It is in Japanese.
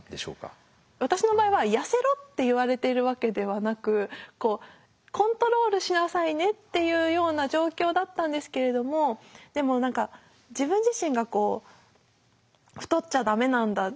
私の場合は痩せろって言われているわけではなくコントロールしなさいねっていうような状況だったんですけれどもでも何か自分自身がこう太っちゃダメなんだ